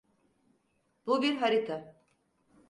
Bu bir harita.